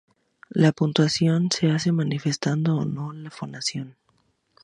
La puntuación se hace manifestando o no la fonación.